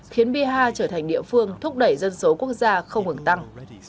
khiến bihar trở thành địa phương thúc đẩy dân số quốc gia không hưởng tăng